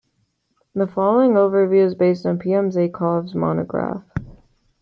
The following overview is based on P. M. Zaykov's monograph.